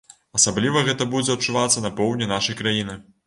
Асабліва гэта будзе адчувацца на поўдні нашай краіны.